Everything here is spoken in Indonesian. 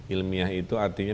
ilmiah itu artinya